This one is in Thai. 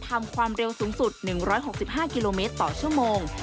ความเร็วสูงสุด๑๖๕กิโลเมตรต่อชั่วโมง